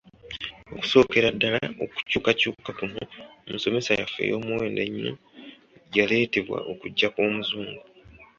Okusookera ddala okukyukakyuka kuno mu nsomesa yaffe ey’Omuwendo ennyo yaleetebwa okujja kw’Omuzungu.